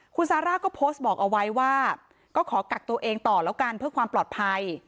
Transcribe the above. คุณซาร่าก็โพสต์บอกเอาไว้ว่าก็ขอกักตัวเองต่อแล้วกันเพื่อความปลอดภัย